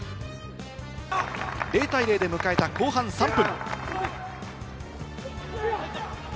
０対０で迎えた後半３分。